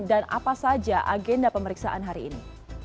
dan apa saja agenda pemeriksaan hari ini